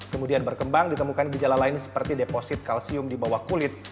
kemudian berkembang ditemukan gejala lain seperti deposit kalsium di bawah kulit